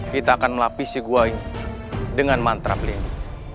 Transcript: kita akan melapisi gua ini dengan mantra pelindung